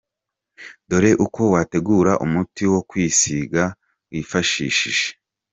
Dore uko wategura umuti wo kwisiga wifashishije